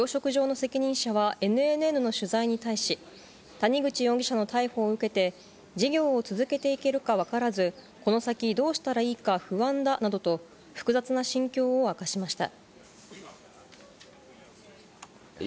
養殖場の責任者はＮＮＮの取材に対し、谷口容疑者の逮捕を受けて、事業を続けていけるかわからず、この先どうしたらいいか不安だなどと複雑な心境を明かしました。